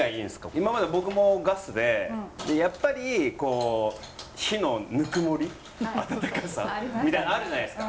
今まで僕もガスでやっぱり火のぬくもり温かさみたいなのあるじゃないですか。